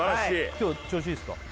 今日調子いいですか？